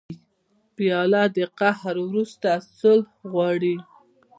پیاله د قهر وروسته صلح غواړي.